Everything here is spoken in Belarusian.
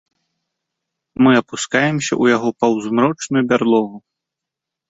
Мы апускаемся ў яго паўзмрочную бярлогу.